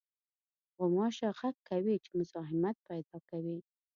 غوماشه غږ کوي چې مزاحمت پېدا کوي.